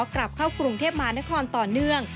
กลับเข้ากรุงเทพมหานครต่อเนื่อง